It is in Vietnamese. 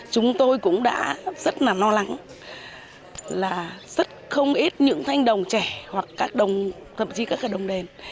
chúng tôi cũng đã rất là lo lắng là rất không ít những thanh đồng trẻ hoặc các đồng thậm chí các cái đồng đền